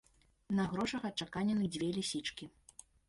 На грошах адчаканены дзве лісічкі.